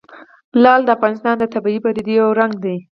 لعل د افغانستان د طبیعي پدیدو یو رنګ دی.